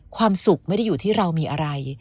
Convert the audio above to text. ความสุขไม่ได้อยู่ที่เรามีอะไร